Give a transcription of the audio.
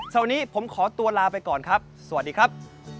ช่วงนี้ผมขอตัวลาไปก่อนครับสวัสดีครับ